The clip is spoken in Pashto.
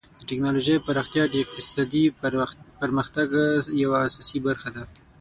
د ټکنالوژۍ پراختیا د اقتصادي پرمختګ یوه اساسي برخه ده.